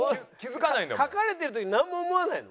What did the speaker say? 描かれてる時なんも思わないの？